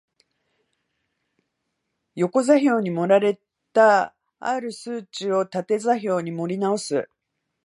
横座標に盛られた或る数値を縦座標に盛り直す